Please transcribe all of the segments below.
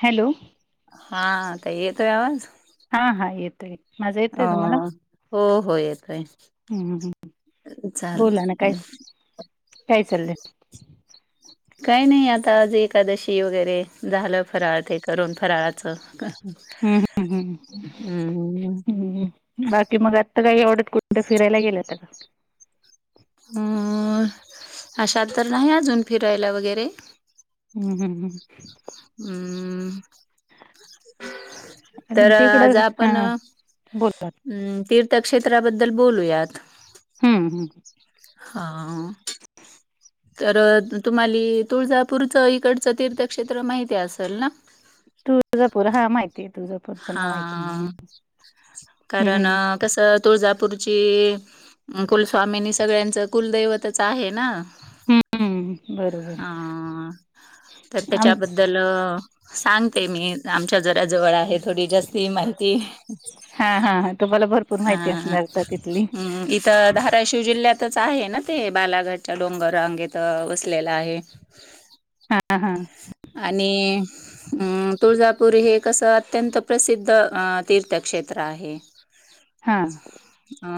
Hello हाता येतोय आवाज हा हा येतय माजा अ येतय तुम्हाला. हो हो येतोय हम्म हम्म बोला ना चालतय काय चालय? काही नाही आता आज एकादशी वगैरे झालं फराळ ते करून फराळाचं हम्म हम्म हम्म हम्म. कुठ फिरायला गेल्या होत्या का? अ अश तर नाही अजून फिरायला वगैरे हम्म हम्म. हम्म. तर तुमच्या आज इकडं हा आपण अ बोलतात तीर्थ त्या क्षेत्राबद्दल बोलूयात. हम्म हम्म. हा. तर तुम्हाली तुळजापूरचं इकडचं तीर्थक्षेत्र माहिती असेल ना? तुळजापूर हा माहिती आहे तुळजापूरचं नाव ऐकून मी. हा. हम्म कारण हम्म कस तु तुळजापूरची कुलस्वामिनी सगळ्यांचं कुलदैवतच आहे ना. हम्म हम्म. [unintelligible] बरोबर हा. तर आमच त्याच्याबद्दल सांगते मी आमच्या शेजऱ्याजवळ आहे थोडी जास्ती माहिती. हा हा हा तुम्हाला भरपूर हा माहिती असणार का तिथली हम्म. इथ धाराशिव जिल्ह्यात च आहे ना ते बालाघटच्या डोंगर रांगेत वसलेलं आहे. हा हा आणि अम तुळजापूर हे कसं अत्यंत प्रसिद्ध अ तीर्थक्षेत्र आहे. हा. अ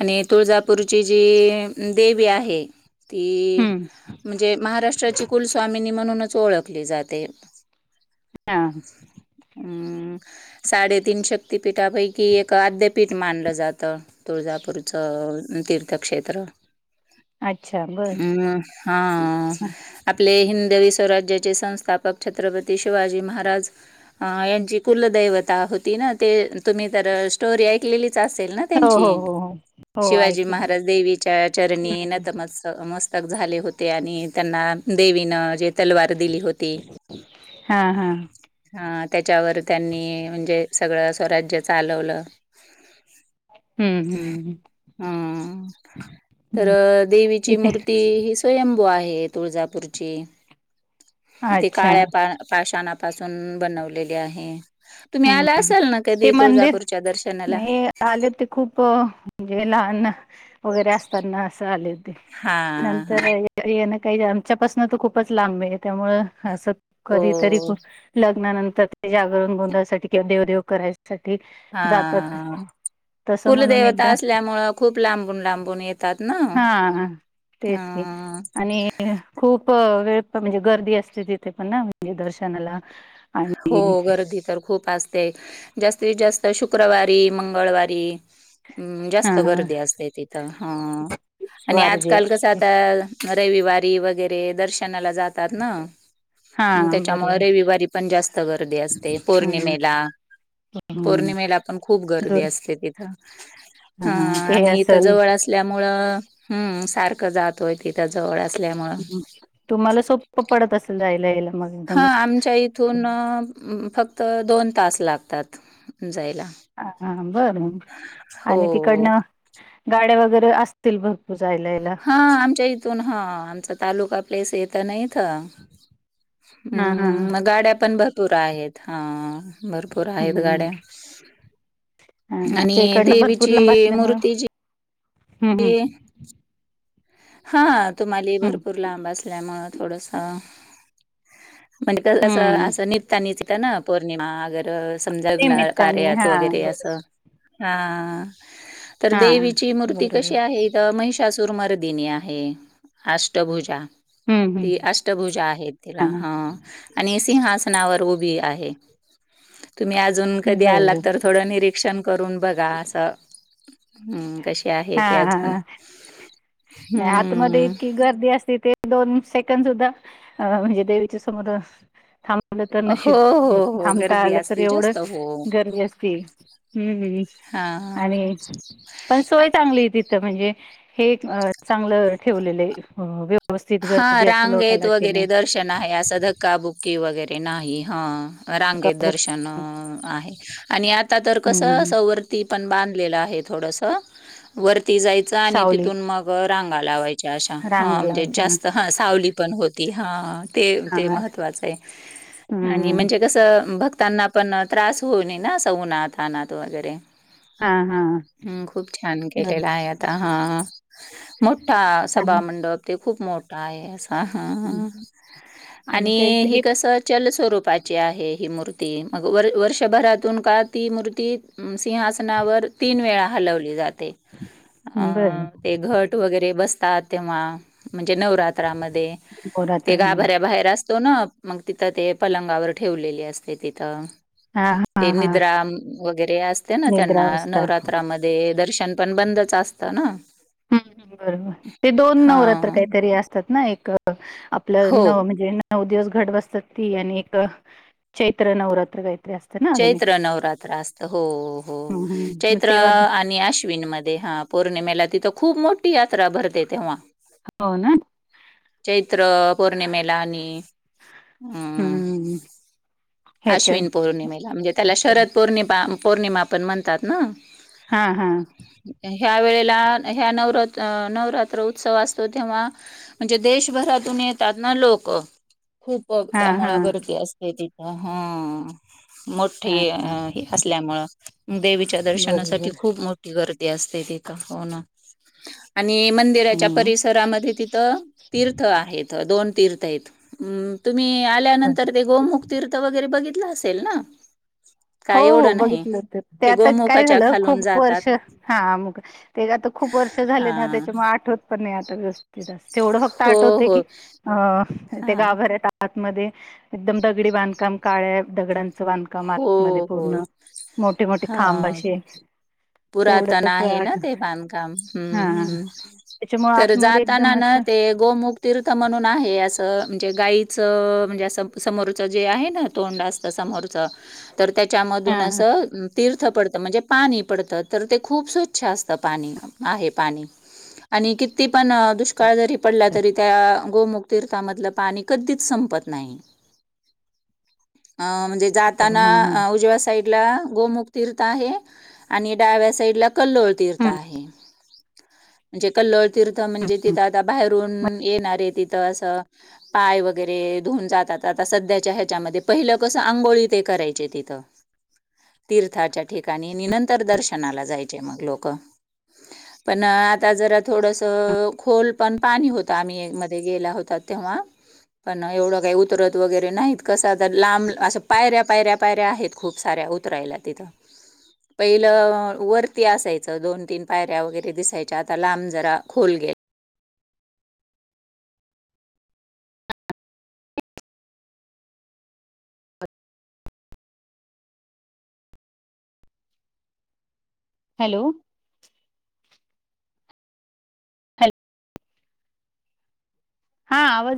आणि तुळजापूरची जी देवी आहे ती हम्म म्हणजे महाराष्ट्राची कुलस्वामिनी म्हणूनच ओळखली जाते. हा. हम्म. साडेतीन शक्तपीठापैकी एक आद्यपीठ मानलं जातं. तुळजापूरचं तीर्थक्षेत्र. अच्छा बर हम्म. हा आपले हिंदवी स्वराज्याचे संस्थापक छत्रपती शिवाजी महाराज यांची कुलदैव होती ना. ते तुम्ही तर स्टोरी ऐकलेली असेल ना हो हो त्यांची हो हो हो शिवाजी ऐकली महाराज देवीच्या चरणी हम्म नतमस्त क झाले होते आणि त्यांना देवीन जे तलवार दिली होती. हा हा हा. त्याच्यावर त्यांनी म्हणजे सगळं स्वराज्य चालवलं. हम्म हम्म. हम्म. तर हं. देवीची तिथे मूर्ती ही स्वयंभू आहे. तुळजापूरची अच्छा. काळ पा सून बनवलेले आहे. तुम्ही हं. आला असा ते मंदिर म आले ते खूप म्हणजे लहान वगैरे असताना असं आले होते. हां, नंतर हां. ये काही आमच्यापासन तर खूपच लांब आहे त्यामुळ असं कधीतरी हो. लग्ना नंतर ते जागरण, गोंधळ साठी किंवा देवदेव करायसाठी जातात. हां. तसं म्हणून कुलदेवता एकदा असल्यामुळं खूप लांबून लांबून येतात ना. हां, तेच की हां. आणि खूप वेळ ण म्हणजे गर्दी असते तिथे पण ना म्हणजे दर्शनाला. आणि हो. गर्दी तर खूप अस ते. जास्तीत जास्त शुक्रवारी, मंगळवारी. हम्म जास्त हां, हां. गर्दी असते तिथं. ह आणि वारजे आजकाल कसं आता रविवारी वगैरे दर्शनाला जातात ना हा त्याच्यामुळे बरोबर रविवारी पण जास्त गर्दी असते हम्म पौर्णिमेला हम्म पौर्णिमेला पण खूप गर्दी दोन असते तिथं हा ते आम्ही इथ असेल जवळ असल्यामुळं हम्म सारखं जातोय इथ जवळ असल्यामुळं तुम्हाला सोप्प पडत असेल जायला यायला मग हा एकदमच आमच्या इथून फक्त दोन तास लागतात जाय हा बरं आणि हो तिकडनं गाड्या वगैरे असतील बघ हा आमच्या इथून हा आमचा तालुका प्लेस येत नाही हा हा म् मग गाड्या पण भरपूर आहेत हा भरपूर आहेत गाड्या ह आमच्या आणि इकडनं भरपूर लांब देवीची असल्यामु मूर्ती जी हम्म हम् हा तुम्हाला भरपूर लांब असल्यामुळं थोडस म्हणजे कसं अस हम्म असं निघता निचता ना पौर्णिमा वगैरे समजा निमित्ताने कार्याच हा वगैरे बर असं हा तर हा देवीची मूर्ती बरोबर कशी आहे इथ म चासूरमर दििनी आहे अष्टभुजा हम्म हम्म ती अष्टभुजा आहेत तिला हा ह आणि सिं अनावर उभी आहे तुम्ही अजून कधी बरं आलात तर थोडं निरीक्षण करून बघा असं हम्म कसे आहे हा ते हा अजून नाही आतमध्येध्ये हम्म. इतकी गर्दी असती ते दोन म्हण स आलं तर हो, नशीब हो, हो थांबता गर्दी आलं तर असती एवढं जास्त हो. गर्मी असते हम्म् हां, आणि पण सोय चांगली तिथ म्हणज च ठे हा रांगेत वगैरे दर्शन आहे असं धक्काबुक्की वगैरे नाही ह रांगेत दर्शन आहे आणि आता तर कसं हम्म सवर्ती पण बां आहे थोडस वरती जायचं आणि सावली तिथून मग रांगा लावाय अच् अा हा रांगा म्हणजे लावायच्या जास्त हा सावली पण होती हा ते ते हा महत्वाचं आहे आणि हम्म म्हणजे कसंक् त्यांना पण त्रास होऊन ना अस उनाथ अनात वगैरे हा हा हम् खूप छान बरं केलेला आहे आता हा मोठा चांग सभामंडप ते खूप मोठा आहे असा ह आणि हे कसं चल स्वरूप आहे ही मूर् म वर्षभरातून का ती मूर्ती सिंहासनावर तीन वेळा हलवली जात अ बरं ते घट वगैरे बसतात तेव्हा म्हणजे नवरात ा ते नवरात्रामध्ये गाभऱ्या बाहे असतो ना मग तिथं ते पलंगावर ठेवलेली असते तिथं हा हा ते हा निद्रा वगैरे असते ना त्यांना निद्रावस्था नवरात्रामध्ये दर्शन पण बंदच असतं ना हम् बरोबर ते दोन हा नवरात्र काहीतरी असतात ना एक हो आपलं नव म्हणजे नऊ दिवस घट बसतात ती आणि एक चैत्र नवरात्र ग चैत्र नवरात्र असत हो हो हं, हं. मग चैत्र तेव्हा तर आणि आश्विनमध्ये हा ह पौर्णिमेला तिथं खूप मोठी यात्रा भरते तेव्हा हो ना? चैत्र पौर्णिमेला आणि हम्म अश्विन पौर्णिमेला म्हणजे त्याला शरद पौर्णिमा पौर्णिमा पण म्हणतात ना हा हा ह्या वेळेला ह्या नवरात नवरात्र उत्सव असतो तेव्हा म्हणजे देशभरातून येतात ना लोक खूप हां, त्यामु हां. गर्दी असते तिथ ह मोठे हां, हां. असल्यामुं देवीच्या दर्शनासाठी बरोबर. खूप मोठी गरज ते असते ते का हो ना आणि मंदिराच्या हं. परिसरामध्ये तिथं तीर्थ आहे दोन त तुम्ही आल्यानंतर गोमु तीर्थ वगरे बघित असेल ना हो काय हो एवढं नाही बघितलं ते आता काय गोमुखाच्या झालं खालून खूप जातात. वर्ष हा मग ते आ खूप वर्ष झाले ना हां. त्याच्या मग आठवत पण नाही व्यवस्थित अस तेवढं फक्त हो, आठवते हो. की अ ते हां. गाभर येत मध्ये एकदम दगडी बांधकाम काळ्या दगडांचं बांधकाम हो, मात म हो. पूर्ण मोठे मोठे खांब हां. असे पुरातन तेवढंच आहे ना आठ ते बांधकाम हा हम्मम् त्याच्यामुळे तर आतमध्ये जाताना एकदम ना असं ते गोमुख तीर्थ म्हणून आहे अस म्हणजे गाईीचं म्हणजे समोरचं जे आहे ना तोंड असत समोरचं तर त्याच्यामधून हा हा असं तीर्थ पडत म्हणजे पाणी पडतं तर ते खूप स्वच्छ असत पाणी आहे पाणी आणि किती पण दुष्काळ जरी पडला तरी त्या गोमुख तर्थामधलं पाणी कधीच संपत नाही अ म्हणजे बरं हा हा जाताना उजव्या साईडला गोमुख तिर्थ आहे आणि डाव्या साईडला कल्लोळ तीर्थ आहे म्हणजे कल्लोळ तीर्थ म्हणजे तिथं आता बाहेर ये तथ अस पाय वगरे ध जात सधच्या ह्याच्यामध्ये पहिलं कस आंघोळी ते करायचे तिथं तीर्थाच्या ठिकाणी निनंतर दर्शनाला जायचे मग लोक पण आता जरा थोडस खोल पण पाणी होतं आम्ही मध्ये गेला होता तेव्हा पण एवढं काही उतरत वगैरे नाहीत कसं आता लांब असं पायऱ्या पायऱ्या पायऱ्या आहेत खूप साऱ्या उतरायला तिथं पहिलं वरती असायचं दोन तीन पायऱ्या वगैरे दिसायच्या आता लांब जरा खोल ग हॅलो हॅलो हा आज